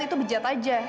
itu bejat aja